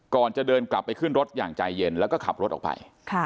ก่อนจะเดินกลับไปขึ้นรถอย่างใจเย็นแล้วก็ขับรถออกไป